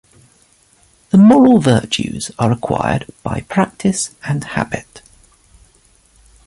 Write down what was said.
The moral virtues are acquired by practice and habit.